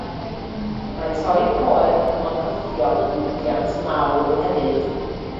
Mae torri coed yn foncyffion yn ddiwydiant mawr hefyd.